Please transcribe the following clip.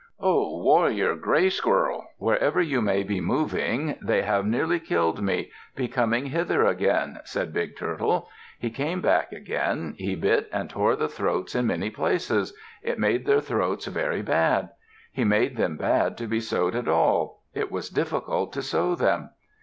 "Ho! warrior Gray Squirrel, wherever you may be moving. They have nearly killed me. Be coming hither again," said Big Turtle. He came back again. He bit and tore the throats in many places. It made their throats very bad. He made them bad to be sewed at all. It was difficult to sew them.